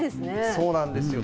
そうなんですよ。